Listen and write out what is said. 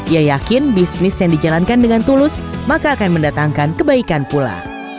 ia yakin bisnis yang dijalankan dengan tulus maka akan mendatangkan kebaikan pula